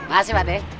makasih pak d